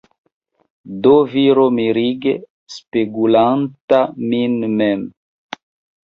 Do viro mirige spegulanta min mem.